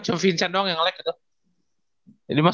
cuma vincent doang yang nge like itu